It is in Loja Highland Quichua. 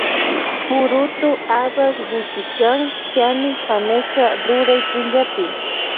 Purutu habas wichikan chani fanesca ruray punllapi.